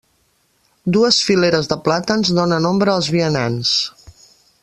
Dues fileres de plàtans donen ombra als vianants.